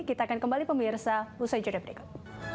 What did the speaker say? kita akan kembali pemirsa usai jadwal berikut